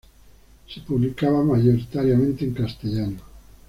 Se publicaba mayoritariamente en castellano.